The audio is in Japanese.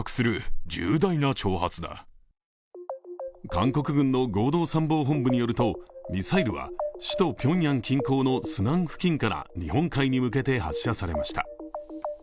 韓国軍の合同参謀本部によるとミサイルは首都ピョンヤン近郊のスナン付近から日本海に向けて発射されました。